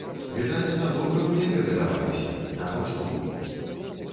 Відаць, на добрым хлебе гадаваліся, не то што мы.